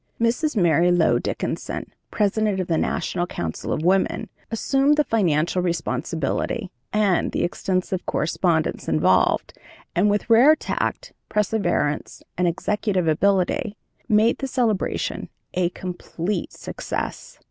Mrs. Mary Lowe Dickinson, President of the National Council of Women, assumed the financial responsibility and the extensive correspondence involved, and with rare tact, perseverance, and executive ability made the celebration a complete success.